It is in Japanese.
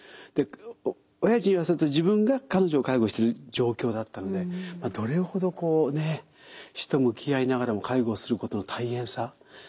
でおやじに言わせると自分が彼女を介護してる状況だったのでどれほどこうね死と向き合いながらも介護することの大変さ。